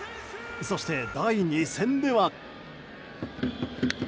そして、第２戦では。